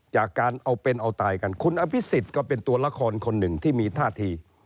จากการเอาเป็นเอาตายกันคุณอภิษฎก็เป็นตัวละครคนหนึ่งที่มีท่าที